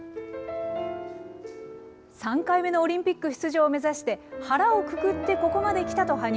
３回目のオリンピック出場を目指して、腹をくくってここまできたと羽生。